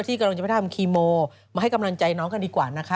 กำลังจะไปทำคีโมมาให้กำลังใจน้องกันดีกว่านะคะ